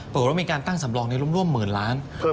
เปิดว่ามีการตั้งสำรองในร่วม๑๐๐๐๐๐๐๐บาท